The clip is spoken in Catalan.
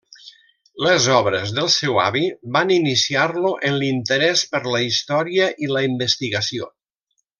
Les obres del seu avi van iniciar-lo en l'interès per la història i la investigació.